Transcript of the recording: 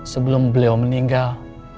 sebelum beliau meninggal